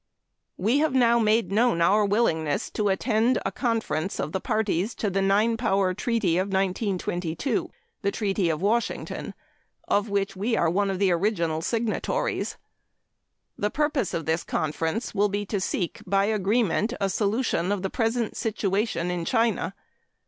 We have now made known our willingness to attend a conference of the parties to the Nine Power Treaty of 1922 the Treaty of Washington of which we are one of the original signatories. The purpose of this conference will be to seek by agreement a solution of the present situation in China.